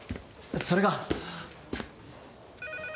それが。